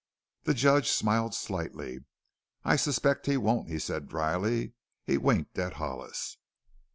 The Judge smiled slightly. "I suspect he won't," he said dryly. He winked at Hollis.